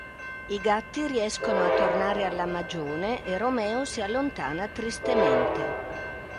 I gatti riescono a tornare alla magione e Romeo si allontana tristemente.